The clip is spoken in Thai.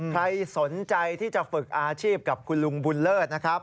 ใครสนใจที่จะฝึกอาชีพกับคุณลุงบุญเลิศนะครับ